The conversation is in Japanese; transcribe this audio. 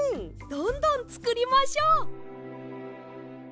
どんどんつくりましょう。